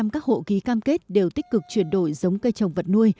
một trăm linh các hộ ký cam kết đều tích cực chuyển đổi giống cây trồng vật nuôi